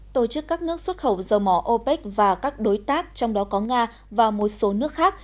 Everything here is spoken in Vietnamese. tổ chức các nước xuất khẩu dầu mỏ opec và các đối tác trong đó có nga và một số nước khác